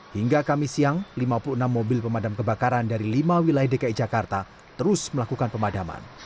hingga kamis siang lima puluh enam mobil pemadam kebakaran dari lima wilayah dki jakarta terus melakukan pemadaman